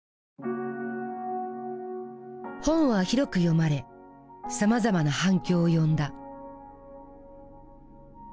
本は広く読まれさまざまな反響を呼んだ。